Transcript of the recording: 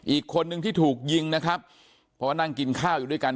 อีกคนนึงที่ถูกยิงนะครับเพราะว่านั่งกินข้าวอยู่ด้วยกัน